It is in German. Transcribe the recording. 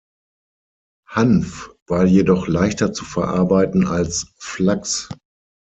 Hanf war jedoch leichter zu verarbeiten als Flachs.